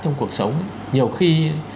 trong cuộc sống nhiều khi